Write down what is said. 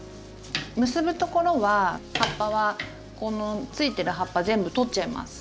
結ぶところは葉っぱはこのついてる葉っぱ全部取っちゃいます。